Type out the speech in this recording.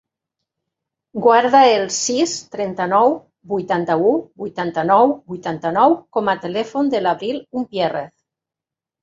Guarda el sis, trenta-nou, vuitanta-u, vuitanta-nou, vuitanta-nou com a telèfon de l'Abril Umpierrez.